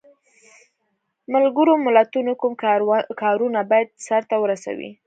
ملګرو ملتونو کوم کارونه باید سرته ورسوي؟